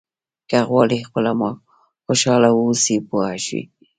که غواړئ خپله خوشاله واوسئ پوه شوې!.